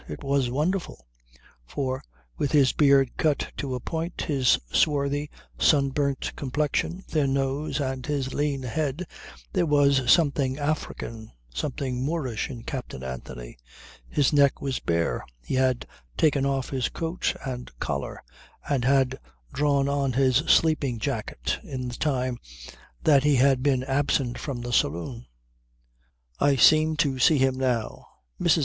It was wonderful, for, with his beard cut to a point, his swarthy, sunburnt complexion, thin nose and his lean head there was something African, something Moorish in Captain Anthony. His neck was bare; he had taken off his coat and collar and had drawn on his sleeping jacket in the time that he had been absent from the saloon. I seem to see him now. Mrs.